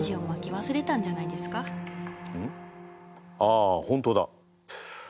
ああ本当だ。